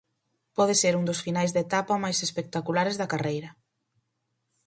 Pode ser un dos finais de etapa máis espectaculares da carreira.